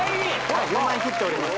はい１０万円切っております